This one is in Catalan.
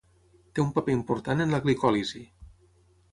Té un paper important en la glicòlisi.